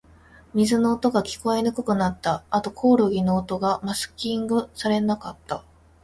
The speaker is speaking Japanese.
水の音が、聞こえにくくなった。あと、コオロギの声がマスキングされなかった。